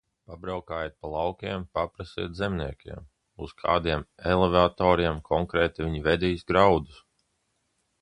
Pabraukājiet pa laukiem, paprasiet zemniekiem, uz kādiem elevatoriem konkrēti viņi vedīs graudus!